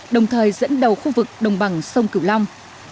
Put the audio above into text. đồng thời dẫn đầu khu vực đồng bằng sông cửu long